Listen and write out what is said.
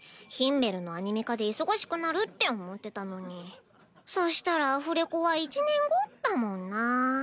「Ｈｉｍｍｅｌ」のアニメ化で忙しくなるって思ってたのにそしたらアフレコは１年後だもんなぁ。